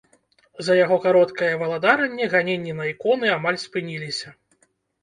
За яго кароткае валадаранне ганенні на іконы амаль спыніліся.